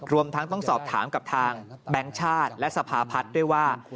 รวมทั้งต้องสอบถามกับทางแบงค์ชาติและสภาพัฒน์ด้วยว่า